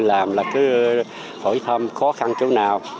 làm là cứ hỏi thăm khó khăn chỗ nào